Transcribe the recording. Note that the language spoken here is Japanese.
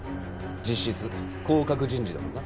実質降格人事だもんな。